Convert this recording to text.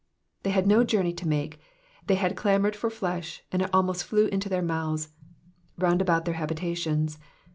'*'* They had no journey to make ; they had clamoured for flesh, and it almost flew into their mouths, *^ round about their habitatpms.'